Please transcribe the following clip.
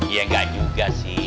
iya enggak juga sih